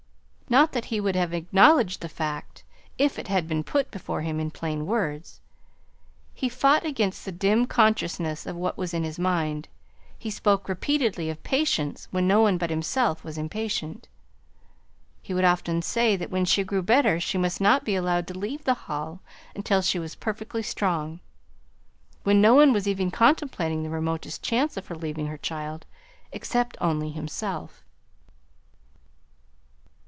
Not that he would have acknowledged the fact, if it had been put before him in plain words. He fought against the dim consciousness of what was in his mind; he spoke repeatedly of patience when no one but himself was impatient; he would often say that when she grew better she must not be allowed to leave the Hall until she was perfectly strong, when no one was even contemplating the remotest chance of her leaving her child, excepting only himself.